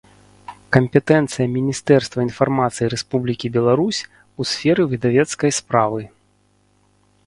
Кампетэнцыя Мiнiстэрства iнфармацыi Рэспублiкi Беларусь у сферы выдавецкай справы